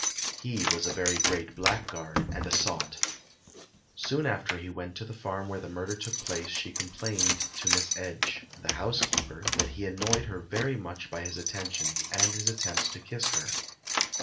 He was a very great blackguard and a sot. Soon after he went to the farm where the murder took place she complained to Miss Edge, the housekeeper, that he annoyed her very much by his attentions, and his attempts to kiss her.